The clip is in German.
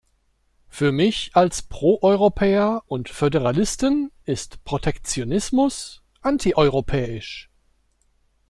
Für mich als Proeuropäer und Föderalisten ist Protektionismus antieuropäisch.